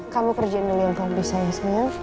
kamu kerjain dulu yang kamu bisa ya smear